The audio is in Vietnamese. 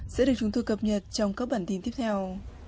sẽ được chúng tôi cập nhật trong các bản tin tiếp theo